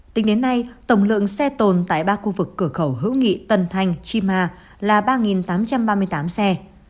tính đến nay tổng lượng xe tồn tại ba khu vực cửa khẩu hữu nghị tân thanh chi ma là ba tám trăm ba mươi tám xe